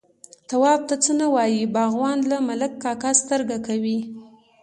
_تواب ته څه نه وايي، باغوان، له ملک کاکا سترګه کوي.